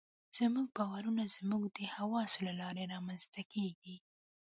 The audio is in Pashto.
زموږ باورونه زموږ د حواسو له لارې رامنځته کېږي.